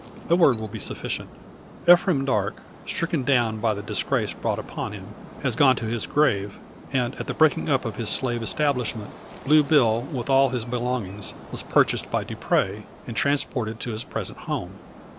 A word will be sufficient. Ephraim Darke stricken down by the disgrace brought upon him, has gone to his grave; and at the breaking up of his slave establishment, Blue Bill, with all his belongings, was purchased by Dupre, and transported to his present home.